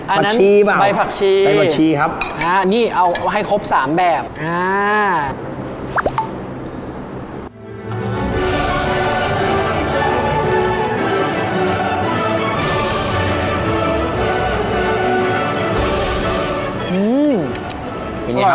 ผักชีแบบใบผักชีใบผักชีครับอ่านี่เอาให้ครบสามแบบอ่า